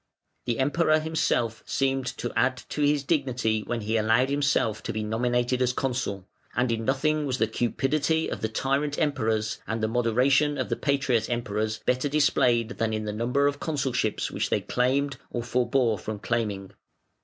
The Emperor himself seemed to add to his dignity when he allowed himself to be nominated as Consul, and in nothing was the cupidity of the tyrant Emperors and the moderation of the patriot Emperors better displayed than in the number of Consulships which they claimed or forbore from claiming.